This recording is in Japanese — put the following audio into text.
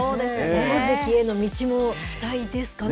大関への道も期待ですかね。